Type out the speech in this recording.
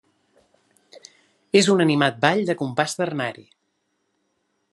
És un animat ball de compàs ternari.